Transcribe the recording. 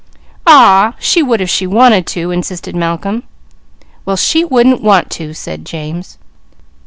She would if she wanted to!" insisted Malcolm. "Well she wouldn't want to!" said James.